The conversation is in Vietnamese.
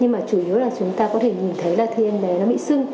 nhưng mà chủ yếu là chúng ta có thể nhìn thấy là thêm bé nó bị xưng